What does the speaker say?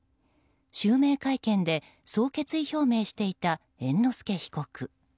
襲名会見でそう決意表明をしていた猿之助被告。